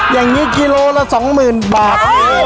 อย่างนี้กิโลละ๒๐๐๐บาท